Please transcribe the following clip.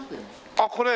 あっこれ？